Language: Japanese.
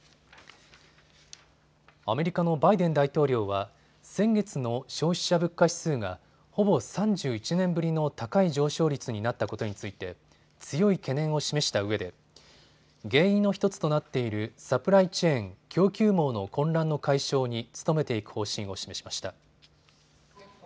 アメリカのバイデン大統領は先月の消費者物価指数がほぼ３１年ぶりの高い上昇率になったことについて強い懸念を示したうえで原因の１つとなっているサプライチェーン・供給網の混乱の解消に努めていく方針を示しました。